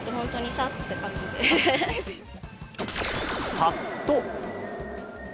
さっと。